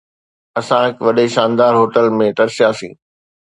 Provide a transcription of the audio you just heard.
اسان هڪ وڏي شاندار هوٽل ۾ ترسياسين.